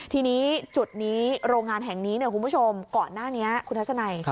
ทีนี้จุดนี้โรงงานแห่งนี้คุณผู้ชมก่อนหน้านี้คุณทัศนัย